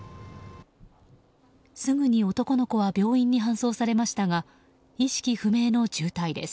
すぐに男の子は病院に搬送されましたが意識不明の重体です。